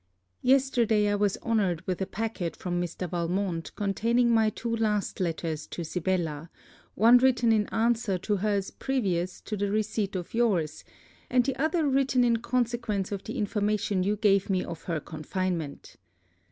Yesterday I was honoured with a packet from Mr. Valmont containing my two last letters to Sibella, one written in answer to her's previous to the receipt of your's and the other written in consequence of the information you gave me of her confinement.